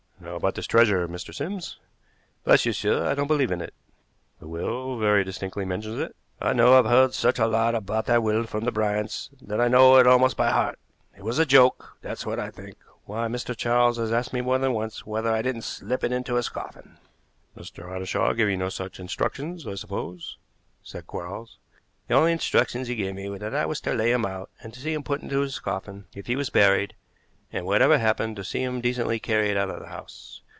"Now about this treasure, Mr. Sims?" "Bless you, sir, I don't believe in it." "The will very distinctly mentions it." "I know. I've heard such a lot about that will from the Bryants that I know it almost by heart. It was a joke, that's what I think. Why, Mr. Charles has asked me more than once whether I didn't slip it into his coffin." "Mr. Ottershaw gave you no such instructions, I suppose," said Quarles. "The only instructions he gave was that I was to lay him out, and to see him put into his coffin if he was buried, and, whatever happened, to see him decently carried out of the house.